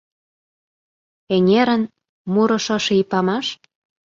Эҥерын — мурышо ший памаш?